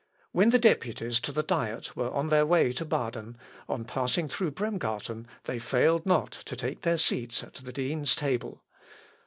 When the deputies to the Diet were on their way to Baden, on passing through Bremgarten they failed not to take their seats at the dean's table.